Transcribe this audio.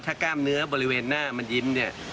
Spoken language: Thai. ถ้ากล้ามเนื้อบริเวณหน้ามันยิ้มเนี่ย